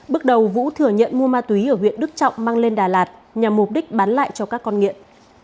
bước đầu vũ thừa nhận mua ma túy ở huyện đức trọng mang lên đà lạt nhằm mục đích bán lại cho các con nghiện